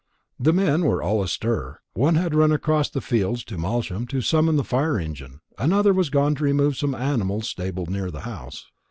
The men were all astir. One had run across the fields to Malsham to summon the fire engine, another was gone to remove some animals stabled near the house.